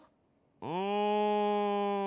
うん。